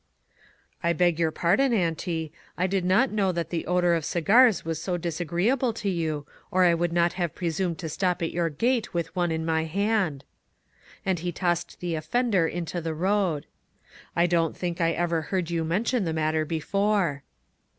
" I beg your pardon, auntie ; I did not know that the odor of cigars was so dis agreeable to you, or I would not have pre sumed to stop at your gate with one in my hand," and he tossed the offender into the road. " I don't think I ever heard you men tion the matter before."